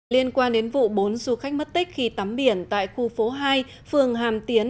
liên quan đến vụ bốn du khách mất tích khi tắm biển tại khu phố hai phường hàm tiến